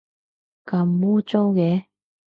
咁污糟嘅